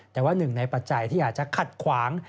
แต่ว่าหนึ่งในปัจจัยที่อาจจะขัดขวาง